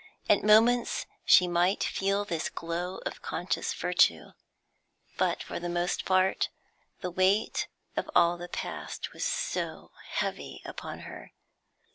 At moments she might feel this glow of conscious virtue, but for the most part the weight of all the past was so heavy upon her.